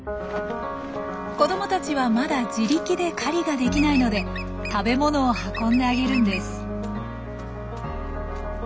子どもたちはまだ自力で狩りができないので食べ物を運んであげるんです。